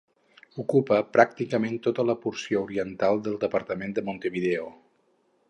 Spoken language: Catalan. Ocupa pràcticament tota la porció oriental del departament de Montevideo.